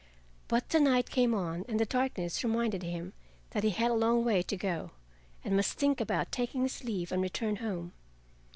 But the night came on and the darkness reminded him that he had a long way to go and must think about taking his leave and return home.